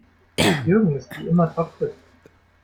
Jürgen ist wie immer topfit.